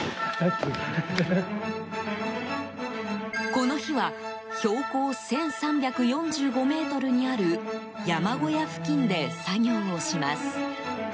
この日は標高１３４５ｍにある山小屋付近で作業をします。